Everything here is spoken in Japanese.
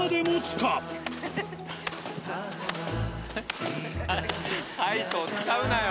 『カイト』を使うなよ！